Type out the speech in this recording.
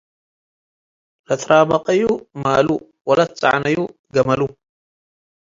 . ለአተርመቀዩ ማሉ ወለጸዕነዩ ገመሉ፣